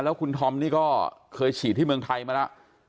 แล้วคุณธอมนี่ก็เคยฉีดที่เมืองไทยมาแล้ว